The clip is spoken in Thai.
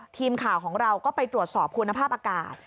ทีมข่าวของเราก็ไปตรวจสอบคุณภาพอากาศ